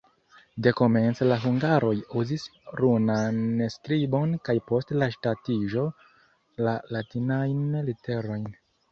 Dekomence la hungaroj uzis runan skribon kaj post la ŝtatiĝo la latinajn literojn.